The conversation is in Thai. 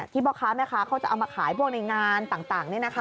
ที่บอร์คาร์ซจะเอามาขายในงานต่างนี่นะคะ